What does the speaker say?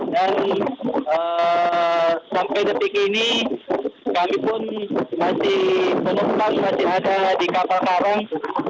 dan sampai detik ini kami pun masih penumpang masih ada di kapal karang